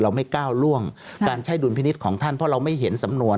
ไม่ก้าวล่วงการใช้ดุลพินิษฐ์ของท่านเพราะเราไม่เห็นสำนวน